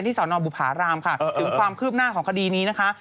ถึงความคืบหน้าค่ะ